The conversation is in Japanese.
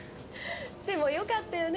でもよかったよね。